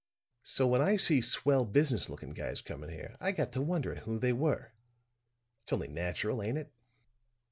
So when I see swell business looking guys coming here I got to wondering who they were. That's only natural, ain't it?"